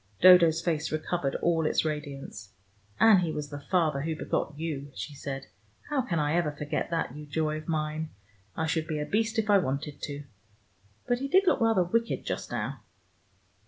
Dodo's face recovered all its radiance. "And he was the father who begot you," she said. "How can I ever forget that, you joy of mine? I should be a beast if I wanted to. But he did look rather wicked just now.